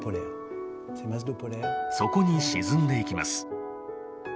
底に沈んでいきます。